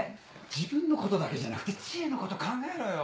自分のことだけじゃなくて知恵のこと考えろよ。